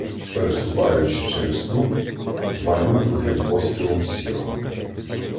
Переступаючи через труп, валю другим пострілом Сірого